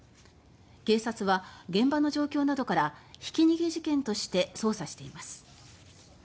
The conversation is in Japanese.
警察は現場の状況などからひき逃げ事件として捜査しています。